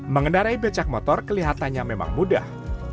mengendarai becak motor kelihatannya memang mudah